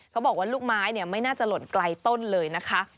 เขาบอกว่าลูกไม้ไม่น่าจะหล่นไกลต้นเลยนะคะ